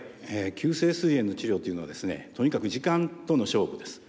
急性すい炎の治療というのはですねとにかく時間との勝負です。